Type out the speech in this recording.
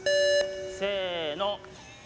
せの。